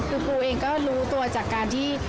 คือปูเองก็รู้ตัวจากการที่